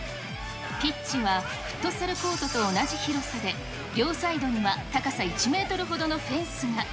ピッチはフットサルコートと同じ広さで、両サイドには高さ１メートルほどのフェンスが。